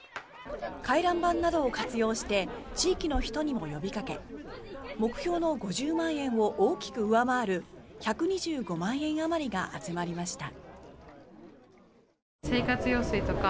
回覧板などを活用して地域の人にも呼びかけ目標の５０万円を大きく上回る１２５万円あまりが集まりました。